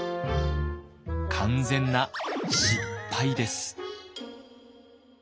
完全な失敗です。